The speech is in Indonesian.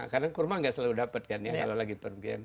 karena kurma nggak selalu dapat kan ya kalau lagi pergi